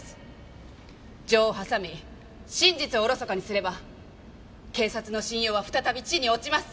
情を挟み真実をおろそかにすれば警察の信用は再び地に落ちます。